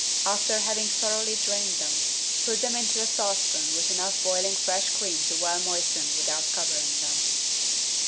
After having thoroughly drained them, put them into a saucepan with enough boiling fresh cream to well moisten without covering them.